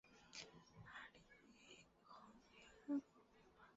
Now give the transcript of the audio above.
巴里讷后帕涅人口变化图示